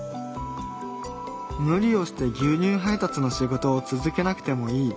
無理をして牛乳配達の仕事を続けなくてもいい。